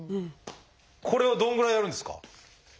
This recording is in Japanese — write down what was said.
これをどんぐらいやるんですか？